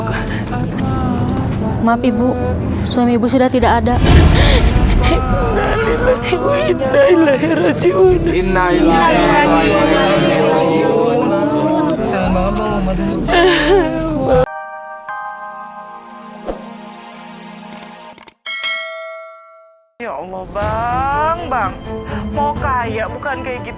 sampai jumpa di video selanjutnya